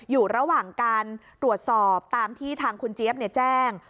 อยู่ระหว่างการตรวจสอบตามที่ทางคุณเจี๊ยบแจ้ง